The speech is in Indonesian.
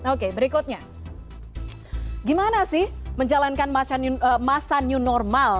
oke berikutnya gimana sih menjalankan masa new normal